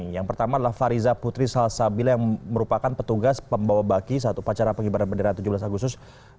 yang pertama adalah fariza putri salsabila yang merupakan petugas pembawa baki saat upacara penyebaran bendera tujuh belas agustus dua ribu tujuh belas